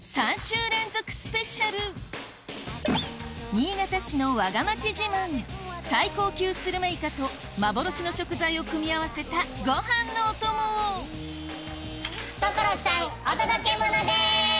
新潟市のわが町自慢最高級スルメイカと幻の食材を組み合わせたご飯のお供を所さんお届けモノです！